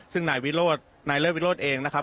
ซึ่งนายเลือกวิโรธเองนะครับ